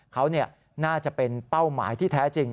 เขาน่าจะเป็นเป้าหมายที่แท้จริง